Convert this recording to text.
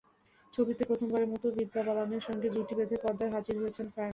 ছবিতে প্রথমবারের মতো বিদ্যা বালানের সঙ্গে জুটি বেঁধে পর্দায় হাজির হয়েছেন ফারহান।